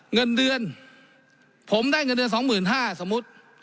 เงินเดือนผมได้เงินเดือนสองหมื่นห้าสมมุติ